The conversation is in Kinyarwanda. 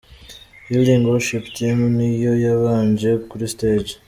Healing worship team ni yo yabanje kuri stage.